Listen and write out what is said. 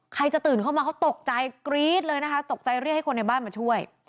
ใครจะตื่นเข้ามาเขาตกใจกรี๊ดเลยนะคะตกใจเรียกให้คนในบ้านมาช่วย